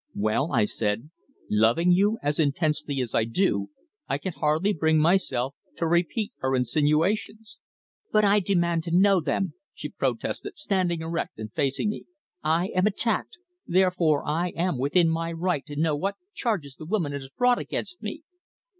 "Well," I said; "loving you as intensely as I do, I can hardly bring myself to repeat her insinuations." "But I demand to know them," she protested, standing erect and facing me. "I am attacked; therefore, I am within my right to know what charges the woman has brought against me."